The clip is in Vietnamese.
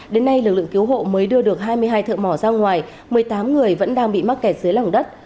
đến nay lực lượng cứu hộ mới đưa được hai mươi hai thợ mỏ ra ngoài một mươi tám người vẫn đang bị mắc kẹt dưới lòng đất